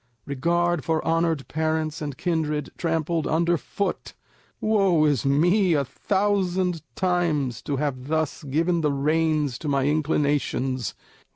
Regard for honoured parents and kindred trampled under foot! Woe is me a thousand times to have thus given the reins to my inclinations!